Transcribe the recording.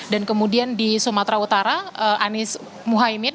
dan kemudian di sumatera utara anies muhaymin